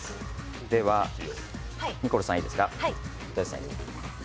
では、ニコルさんいいですか？